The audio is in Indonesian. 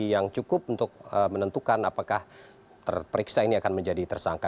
yang cukup untuk menentukan apakah terperiksa ini akan menjadi tersangka